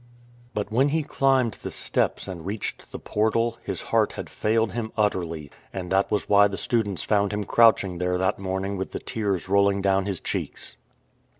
But when he climbed the steps and reached the portal Y 337 AT THE GATES OF YALE his heart had failed him utterly ; and that was why the students found him crouching tliere that morning with the tears rolling down his cheeks.